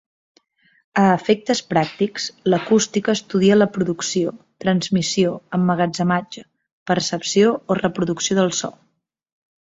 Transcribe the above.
A efectes pràctics l'acústica estudia la producció, transmissió, emmagatzematge, percepció o reproducció del so.